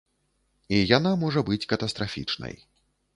І яна можа быць катастрафічнай.